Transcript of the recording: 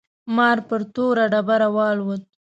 مار پر توره ډبره والوت.